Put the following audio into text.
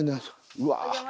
うわ。